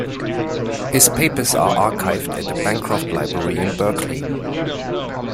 His papers are archived at the Bancroft Library in Berkeley.